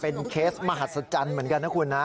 เป็นเคสมหัศจรรย์เหมือนกันนะคุณนะ